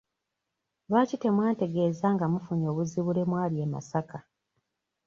Lwaki temwantegeeza nga mufunye obuzibu lwe mwali e Masaka?